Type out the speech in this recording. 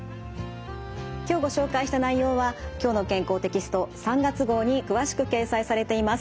今日ご紹介した内容は「きょうの健康」テキスト３月号に詳しく掲載されています。